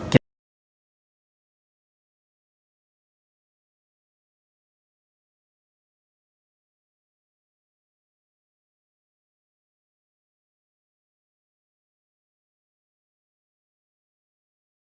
kami terima kasih telah menghadirkan kita